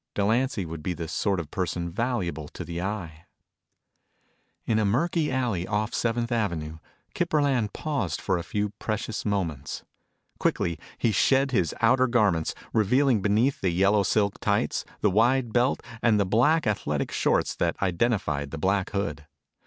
Delancy would be the sort of a person valuable to the Eye. In a murky alley off Seventh Avenue, Kip Burland paused for a few precious moments. Quickly, he shed his outer garments, revealing beneath the yellow silk tights, the wide belt, and the black athletic shorts that identified the Black Hood.